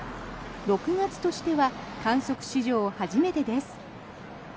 ６月としては観測史上初めてです。